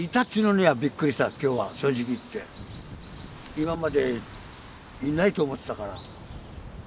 今までいないと思ってたから。